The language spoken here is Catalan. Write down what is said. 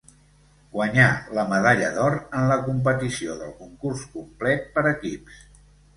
Guanyà la medalla d'or en la competició del concurs complet per equips.